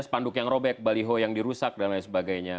spanduk yang robek baliho yang dirusak dan lain sebagainya